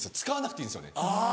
使わなくていいんですよね。